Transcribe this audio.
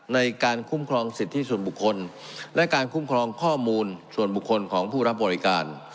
ในการคุ้มครองสิทธิส่วนบุคคลและการคุ้มครองข้อมูลส่วนบุคคลของผู้รับบริการ